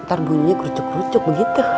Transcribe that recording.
ntar bunyinya kerucuk kerucuk begitu